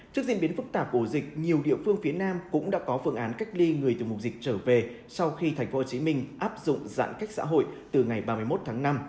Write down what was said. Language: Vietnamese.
trước diễn biến phức tạp của ổ dịch nhiều địa phương phía nam cũng đã có phương án cách ly người từ vùng dịch trở về sau khi tp hcm áp dụng giãn cách xã hội từ ngày ba mươi một tháng năm